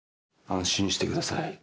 安心してください。